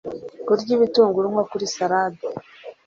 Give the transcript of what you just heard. Kurya ibitunguru nko kuri Salade